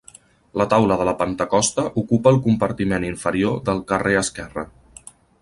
La taula de la Pentecosta ocupa el compartiment inferior del carrer esquerre.